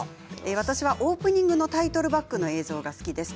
私はオープニングのタイトルバックの映像が好きです。